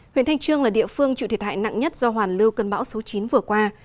huyện thanh trương là địa phương chịu thiệt hại nặng nhất do hoàn lưu cơn bão số chín vừa qua